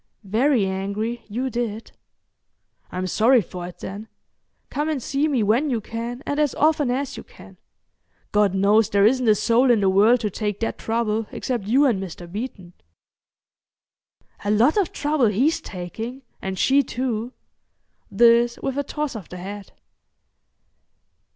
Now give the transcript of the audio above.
"Very angry, you did." "I'm sorry for it, then. Come and see me when you can and as often as you can. God knows, there isn't a soul in the world to take that trouble except you and Mr. Beeton." "A lot of trouble he's taking and she too." This with a toss of the head.